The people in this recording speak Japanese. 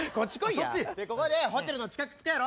ここでホテルの近く着くやろ？